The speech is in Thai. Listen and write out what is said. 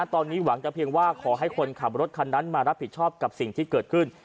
ตอนนี้หวังจะเพียงว่าขอให้คนขับรถคันนั้นมารับผิดชอบกับสิ่งที่เกิดขึ้น